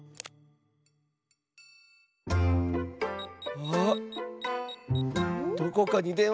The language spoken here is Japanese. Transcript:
あっ⁉どこかにでんわしてる！